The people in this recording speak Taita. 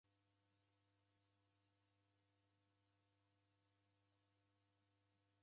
Kumanga duu kwasirimisha ngolo w'andu w'izumuagha.